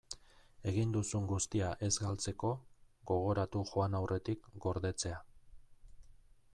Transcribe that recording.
Egin duzun guztia ez galtzeko, gogoratu joan aurretik gordetzea.